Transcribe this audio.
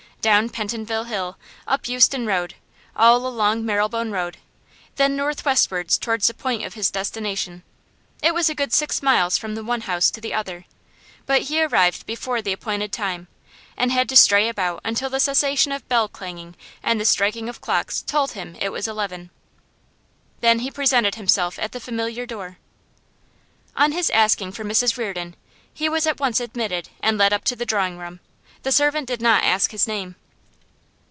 Down Pentonville Hill, up Euston Road, all along Marylebone Road, then north westwards towards the point of his destination. It was a good six miles from the one house to the other, but he arrived before the appointed time, and had to stray about until the cessation of bell clanging and the striking of clocks told him it was eleven. Then he presented himself at the familiar door. On his asking for Mrs Reardon, he was at once admitted and led up to the drawing room; the servant did not ask his name.